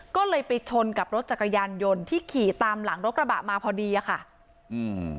ก็เลยไปชนกับรถจักรยานยนต์ที่ขี่ตามหลังรถกระบะมาพอดีอ่ะค่ะอืม